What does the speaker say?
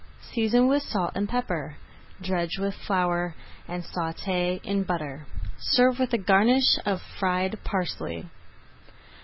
Season with salt and pepper, dredge with flour, and sauté in butter. Serve with a garnish of fried parsley.